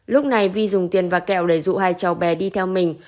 lúc này vi dùng tiền và kẹo để dụ hai cháu bé đi theo mình